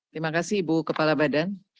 terima kasih ibu kepala badan